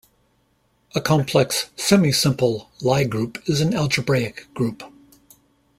A complex semisimple Lie group is an algebraic group.